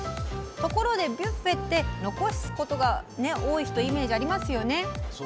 ところで、ビュッフェって残す人が多いイメージありますよね？